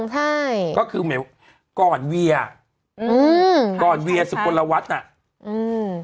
ใช่ก็คือเหมือนก่อนเวียอืมก่อนเวียสุกลวัฒน์น่ะอืม